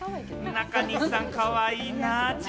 中西さん、かわいいなぁ。